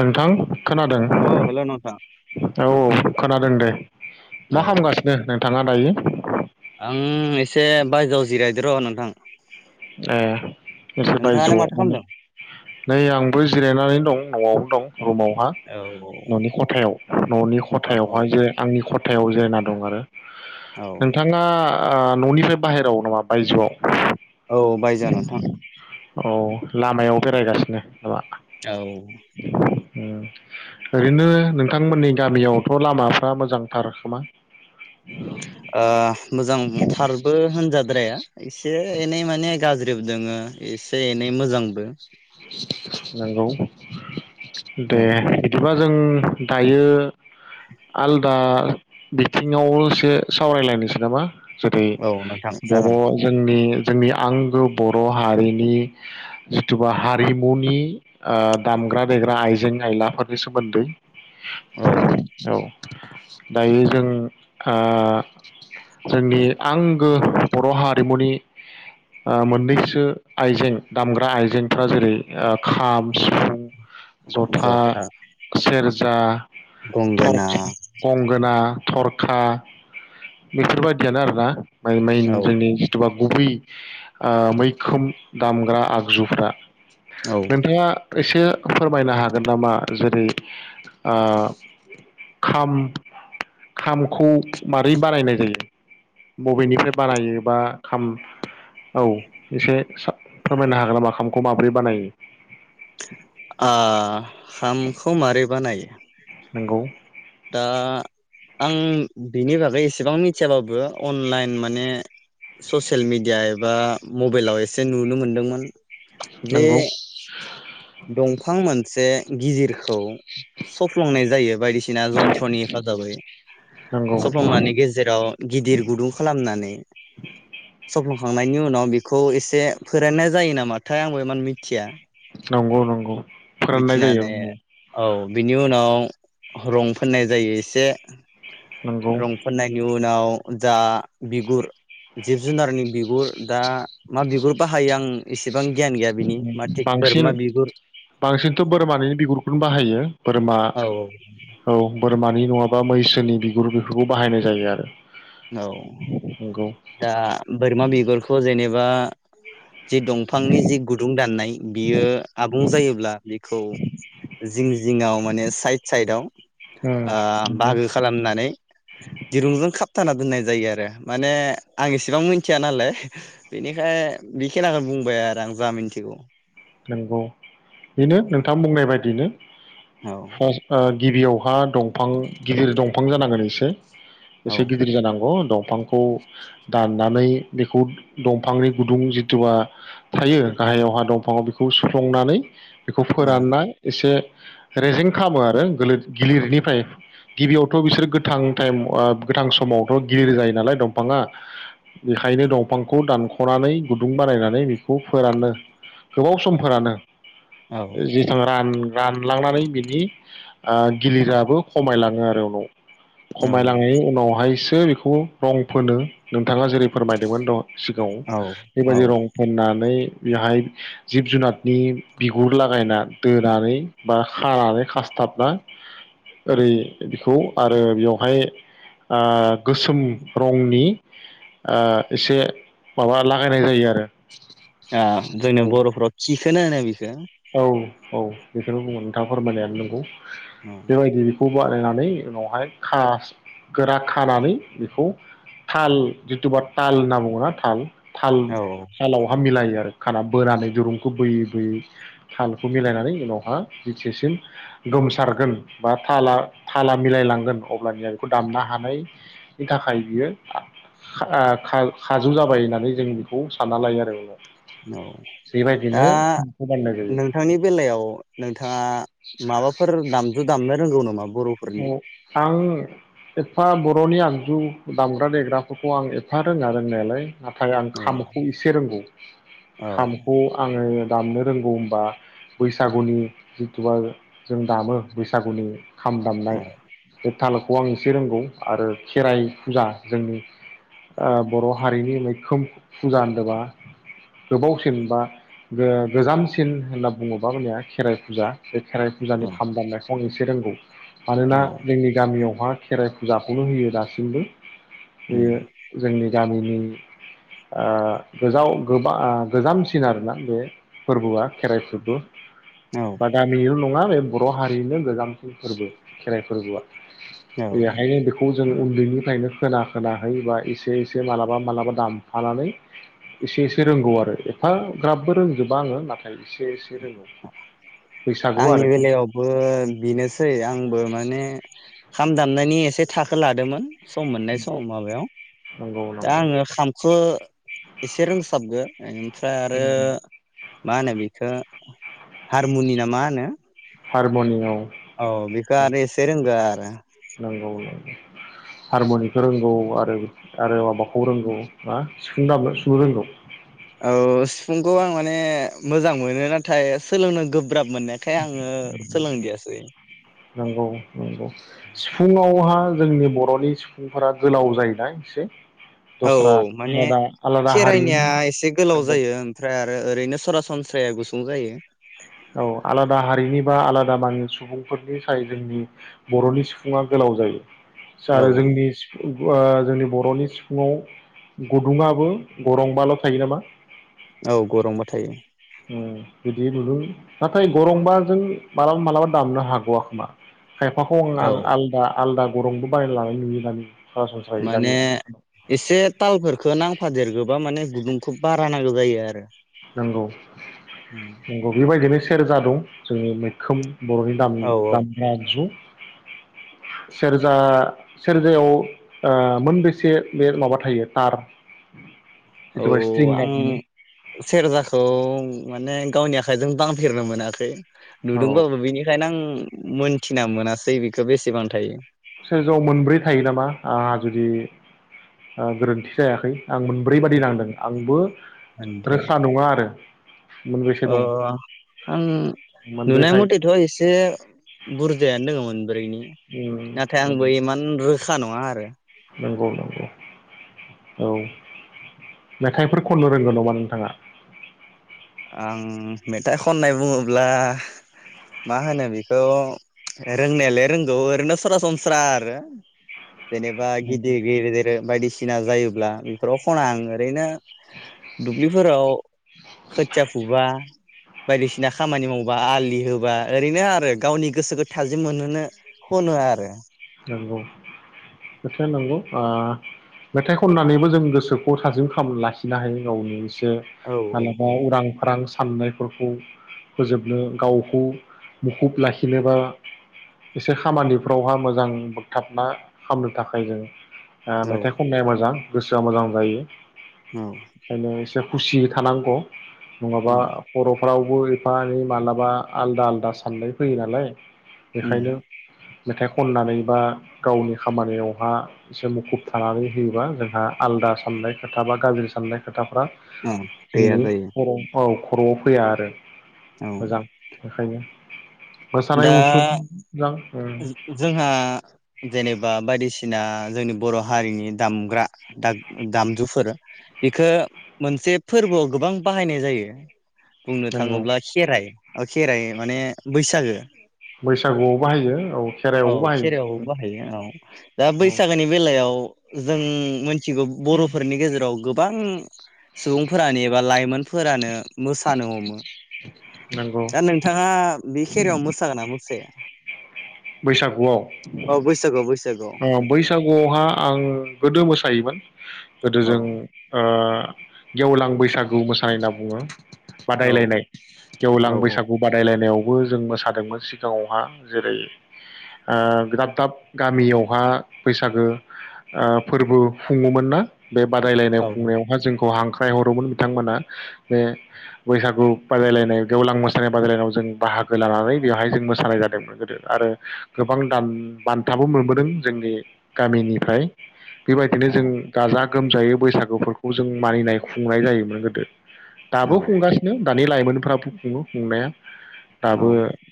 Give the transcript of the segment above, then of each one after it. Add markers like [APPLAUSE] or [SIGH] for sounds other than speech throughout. नोंथां खोनादों औ हेल' नोंथां औ खोनादों दे औ मा खालामागासिनो नोंथाङा दायो आं एसे बायजोआव जिरायद र' नोंथां ए एसे नोंथाङालाय माथो बायजोआव खालामदों नै आंबो जिरायनानै दं न'आवनो दं रुमावहा औ न'नि खथायाव न'नि औ औ खथायावहाय औ जे आंनि खथा थायाव जिरना दं आरो औ नोंथाङा ओ न'निफ्राय बाहेरायाव नामा बायजोआव औ बायजोआव नोंथां औ लामायाव बेरायगासिनो नामा औ ओरैनो नोंथांमोननि गामियावथ' लामाफ्रा मोजांथार खोमा ओ मोजांथारबो होनजाद्राया एसे एनै माने गाज्रि बो दोङो एसे एनै मोजांबो [INAUDIBLE] नोंगौ दे औ बिदिबा जों दायो आलदा बिथिङाव एसे सावरायलायनोसै नामा जेरै औ नोंथां बर' जागोन जोंनि जोंनि आंगो बर' हारिनि जिथु हारिमुनि ओ दामग्रा देग्रा आइजें आइलाफोरनि सोमोन्दै औ औ दायो जों ओ जोंनि आंगो बर' हारिमुनि मोननैसो आइजें दामग्रा आइजें फ्रा जेरै खाम सिफुं जथा सेर जा गंगोना तरथिं गंगोना थरखा बेफोरबायदियानो आरोना औ जोंनि गुबै ओ मैखोम दामग्रा आगजुफ्रा औ नोंथाङा एसे फोरमायनो हागोन नामा जेरै ओ खाम खामखौ मारै बानायनाय जायो बबेनिफ्राय बानायो बा खाम औ एसे स [UNINTELLIGIBLE] फोरमायनो हागोन नामा खाम माब्रै बानायो आ खामखौ मारै बानायो? नोंगौ दा आं बिनि बागै एसेबां मिथियाबाबो अनलाइन माने ससियेल मिडिया एबा मबाइलाव एसे नुनो मोनदोंमोन जे नंगौ दंफां मोनसे बे गिदिरखौ सफ्लंनाय जायो बायदिसिना जनथ्र'नि हेफाजाबै नंगौ सफ्लंनायनि गेजेराव गिदिर गुदुं खालामनानै सफ्लं खांनायनि उनाव बेखौ एसे फोराननाय जायो नामाथाय आंबो इमान मिथिया नंगौ नंगौ फोराननाय जायो मिथिनानै औ बिनि उनाव रं फोननाय जायो एसे नंगौ रं फाननायनि उनाव जा बिगुर जिब-जुनारनि बिगुर दा मा बिगुरबा हायो आं एसेबां गियान गैया बिनि माटिक बांसिन बांसिनथ' बोरमानि बिगुरखौनो बाहायो बोरमा औ औ बोरमानि नङाबा मैसोनि बिगुर बेफोरखौ बाहायनाय जायो आरो औ नंगौ दा बोरमा बिगुरखौ जेनेबा बा जि दंफांनि जि गुदुं दाननाय बियो आबुं जायोब्ला बेखौ जिं जिङाव माने साइद साइदयाव नंगौ बाहागो खालामनानै दिरुंजों खाब खोना दोननाय जायो आरो माने आं इसेबां मिथिया नालाय बेनिखाय बेखिनाखौनो बुंबाय आरो आं जा मिथिगौ नंगौ औ गिबियाव बिफा दंफां गिदिर दंफां जानांगोन एसे औ एसे गिदिर जानांगौ दं दंफांखौ दाननानै बेखौ दंफांनि गुदुं जिथुुबा थायो गाहायावहा दंफाङाव बे खौ सुफ्लुंनानै बेखौ औ फोरानना एसे रेजें खालामो गोलोद गिलिरनिफ्राय गिबियावथ बिसोरो गोथां थाइम गोथां समावथ गिलिर जायो नालाय दंफाङा बेखायनो दंफांखौ दानखनानै गुदुं बानायनानै बेखौ फोरानोनो गोबाव सम फोरानो औ जेसां रान रानलांनानै बिनि गिलिरआो खमायलाङो आरो उनाव खमायलाङै उनावहायसो बेखौ रं फोनो नोंथाङा जेरै फोरमायदोंमोन द सिगाङाव औ औ बेबायदि रं फोननानै बेहाय जिब जुनादनि बिगुर लागायना दोनानै बा खानानै खासथाबना ओरै बिखौ आरो बेवहाय आ गोसोम रंनि आ एसे माबा लागायनाय जायो आरो आ जोंनि बर'फोरा खिखोनो होनो बिखो औ औ बेखौनो बुंङो नोंथाङा फोरमायनायानो नंगौ बेबायदि बेखौ बानायनानै उनावहाय खास गोरा खानानै बेखौ थाल जिथुबा ताल होनना बुङो ना थाल थाल औ औ थालावहा मिलायो आरो खाना बोनानै दुरुंखौ बोयै बोयै थालखौ मिलायनानै उनावहा जिथिसिम गोमसारगोन बा थाला थाला मिलायलांगोन अब्लानिया बेखौ दामना हानायनि थाखाय बियो आ खा खा खाजु जाबाय होननानै जों बेखौ सानना लायो आरो उनाव औ बेबायदिनो बाननाय जायो थांनि बेलायाव नोंथाङा माबाफोर दामजु दामनो रोंगौ नामा? अ बर'फोरनि आं एफा बर'नि आगजु दामग्रा देग्राफोरखौ आं एफा रोङा रोंनायालाय नाथाय आं औ खामखौ एसे रोंगौ औ खामखौ आङो दामनो रोंगौ होनबा बैसागुनि जिथुुबा जों दामो बैसागुनि खाम दामनाय औ थालखौ आं एसे रोंगौ आरो खेराइ फुजा जोंनि आ बर' हारिनि मैखोम फुजा होनदोबा गोबावसिन बा गोजामसिन होनना बुङोबा जोंनिया खेराइ फुजा बे खेराइ फुजानि औ खाम दामनाय फंनैसे रोंगौ मानोना औ जोंनि गामियाव खेराइ फुजाखौनो होयो दासिमबो बेयो उम जोंनि गामिनि आ गोजाव गोबा आ गोजामसिन आरोना बे फोरबोआ खेराइ फोरबो औ बादामि [UNINTELLIGIBLE] मा बे बर' हारिनो गोजाम फोरबो खेराइ फोरबोआ औ [UNINTELLIGIBLE] हाय बेखौ जों उन्दैनिफ्रायनो खोना खोनाहै बा एसे एसे मालाबा मालाबा दामफानानै एसे एसे रोंगौ आरो एफाग्राबबो रोंजोबा आङो नाथाय एसे रोंगौ बैसागु आंनि आरो खेराइ बेलायावबो बेनोसै सै आंबो माने खाम दामनायनि एसे थाखो लादोंमोन सम मोननाय सम माबायाव नंगौ दा नंगौ आङो खामखौ एसे रोंसाबगो ओमफ्राय आरो मा होनो बेखौ हारमनियाम मा होनो हारम'नियाम औ बेखौ आरो एसे रोंगो आरो हारमुनिखौ रोंगौ आरो आरो माबाखौ रोंगौ मा सिफुं दामनो सुनो रोंगौ औ सिफुंखौ आं माने मोजां मोनो नाथाय सोलोंनो गो गोब्राब मोननायखाय आङो सोलोंदियासै नंगौ नंगौ सिफुुंआवहा जोंनि बर'नि सिफुंफोरा गोलाव जायोना एसे औ दस्रा औ माने आलादा आलादा खेराइनिया हारिनि एसे गोलाव नंगौ जायो ओमफ्राय आरो ओरैनो सरासनस्राया गुसुं जायो औ आलादा हारिनि बा आलादा मानि सुबुंफोरनि साय जोंनि बर'नि सुबुङा गोलाव जायो औ आरो जोंनि सिफुं जोंनि बर'नि सिफुङाव गुदुङाबो गरंबाल' थायो नामा औ गरंबा थायो बिदि नुदों नाथाय गरंबाजों मालाबा मालाबा दामनो हाग'आ खोमा खायफाखौ औ आं आलादा आलादा गरंबो बाय लानाय नुयो दानिया माने एसे तालफोरखौ नांफादेरगोबा माने गुदुंखौ बारा नांगो जायो आरो नंगौ नंगौ बेबायदिनो सेरजा दं जोनि मैखोम बर'नि दाम औ दामग्रा आगजु सेरजा सेरजायाव मोनबेसे बे माबा थायो थार [UNINTELLIGIBLE] औ होनना आं बुङो सेरजाखौ माने गावनि आखाइजों दांफेरनो मोनाखै औ नुदोंबाबो बिनिखायनो आं मोनथिना मोनासै बेखौ बेसेबां थायो सोरजआव मोनब्रै थायो नामा जुदि ओ गोरोन्थि जायाखै आं मोनब्रै बादि नांदों आंबो रोखा नङा आरो मोनबेसे दं ओं आं मोनब्रै नुनाय थायो मथेथ' एसे बुरजायानो दङमोन उम नाथाय उम आंबो इमान रो गोखा नङा आरो नंगौ नंगौ औ मेथाइफोर खननो रोंगौ नामा नोंथाङा आं मेथाइ खननाय बुङोब्ला मा होनो बेखौ रोंनायालाय रोंगौ ओरैनो सरासनस्रा आरो जेनबा [UNINTELLIGIBLE] सिना जायोब्ला बेफोराव खना आं ओरैनो दुबलिफोराव खोथिया फुबा बायदिसिना खामानि मावबा आलि होबा ओरैनो आरो गावनि गोसोखौ थाजिम मोनहोनो खनो आरो नंगौ खोथाया नंगौ मेथाइ खननानैबो जों गोसोखौ थाजिम लाखिनो हायो गावनि औ मालाबा औ उरां फारां साननायफोरखौ फोजोबनो गावखौ मुखुब लाखिनोबा एसे खामानिफ्रावहा मोजां मोजां बोगथाबना खालामनो थाखाय जों औ मेथाइ खननाया मोजां गोसोआ मोजां जायो औ बेखायनो एसे खुसि थानांगौ नङाबा औ खर' फ्रावबो एफा एनै मालाबा आलादा आलादा साननाय फैयो नालाय उम बेखायनो मेथाइ खननानै बा गावनि खामानियावहा एसे मुखुब थानानै होयोबा जोंहा आलादा साननाय खोथा बा गाज्रि साननाय खोथा खोथाफ्रा औ गैया जोंनि जायो खर' औ खर'आव फैया आरो औ मोजां बेखायनो मोसानाय दा मुसुरनायाव मोजां उम जोंहा जेनेबा बायदिसिना जोंनि बर' हारिनि दामग्रा दामजुफोर बेखौ मोनसे फोरबोआव गोबां बाहायनाय जायो बुंनो नंगौ थाङोब्ला खेराइ खेराइ माने बैसागो बैसागु औ केरायाव बाहायो औ दा औ बैसागोनि बेलायाव जों मिथिगौ बर'फोरनि गेजेराव गोबां सुबुंफोरानो एबा लाइमोनफोरानो मोसानो हमो नंगौ दा नोंथाङा बे खेरायाव मोसागोना मोसाया? बैसागुआव औ बैसागुआव बैसागुआव बैसागुआवहा आं गोदो मोसायोमोन गोदो औ जों ओ गेवलां बैसागु मोसानाय होनना बुङो औ बादायलायनाय औ गेवलां बैसागु बादायलायनायाव बो जों मोसादोंमोन सिगाङावहा जेरै ओ दाब दाब गामियावहा बैसागो फोरबो खुङोमोन ना बे बादायलायनाय औ खुंनायावहा जोंखौ हांख ख्रायहरोमोन बिथांमोना जे बैसागु बादायलायनाय गेवलां मोसानाय बादायलायनायाव जों बाहागो लानानै बेवहाय जों मोसानाय जादोंमोन गोदो आरो गोबां बान्थाबो मोनबोदों जोंनि गामिनिफ्राय बेबायदिनो औ जों गाजा गोमजायै बैसागुफोरखौ जों मानिनाय खुंनाय जायोमोन गोदो दाबो औ खुंगासिनो दा दानि लाइमोनफ्राबो खुङो खुंनाया औ दाबो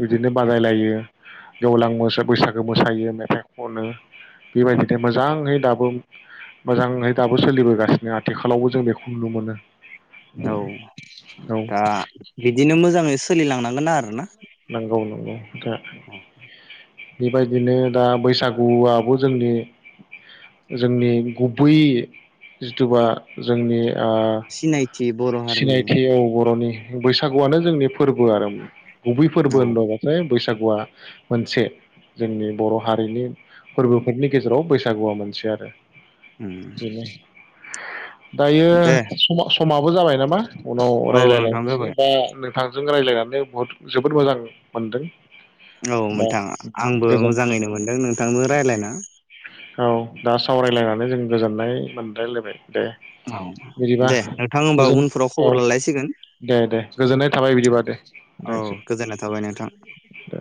बिदिनो बादायलायो गेवलां मो बैसागो मोसायो मेथाइ खनो बेबायदिनो मोजाङै दाबो मोजाङै दाबो सोलिबोगासिनो आथिखालावबो जों बेखौ नुनो मोनो औ औ दा बिदिनो मोजाङै सोलिलांनानै गोन आरो ना नंगौ नंगौ खोथाया औ बेबायदिनो दा बैसागुआबो जोंनि जोंनि गुबै जिथुबा जोंनि ओ सिनायथि बर' हारिनि सिनायथि औ बर'नि बैसागुआनो जोंनि फोरबो आरो गुबै फोरबो औ होनबाथाय बैसागु गुआ मोनसे जोंनि बर' हारिनि फोरबोफोरनि गेजेराव बैसागुआ मोनसे आरो उ बेनो दायो सम समाबो जाबाय नामा उनाव औ नोंथां रायज्लायलायनोसै जाबाय दा नोंथां जों रायज्लायनानै बहुद जोबोद मोजां मोनदों औ बा नोंथां आंबो गोजोननाय मोजाङानो मोनदों नोंथांजों रायलायना औ दा सावरायलायनानै जों गोजोननाय मोनलायलायबाय। दे औ बिदिबा दे नोंथां होमबा गोजोन उन औ दे दे गोजोननाय थाबाय बिदिबा दे औ दोनसै गोजोननाय थाबाय नोंथां दे।